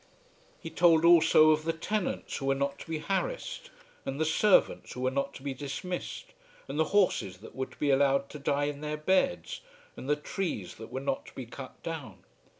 He told also of the tenants who were not to be harassed, and the servants who were not to be dismissed, and the horses that were to be allowed to die in their beds, and the trees that were not to be cut down.